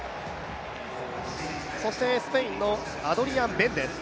そしてスペインのアドリアン・ベンです。